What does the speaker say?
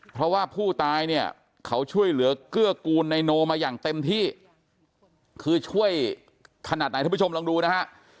เพราะว่าผู้ตายเนี่ยเขาช่วยเหลือเกื้อกูลนายโนมาอย่างเต็มที่คือช่วยขนาดไหนท่านผู้ชมลองดูนะฮะ